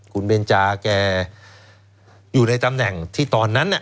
คุณเบนจาแกอยู่ในตำแหน่งที่ตอนนั้น